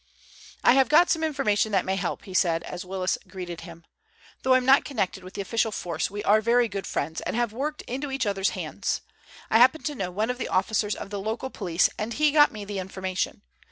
"I have got some information that may help," he said, as Willis greeted him. "Though I'm not connected with the official force, we are very good friends and have worked into each other's hands. I happen to know one of the officers of the local police, and he got me the information.